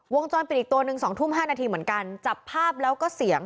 วงจรปิดอีกตัวหนึ่งสองทุ่มห้านาทีเหมือนกันจับภาพแล้วก็เสียง